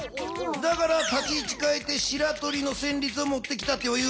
だから立ちいち変えてしらとりのせんりつをもってきたというわけや。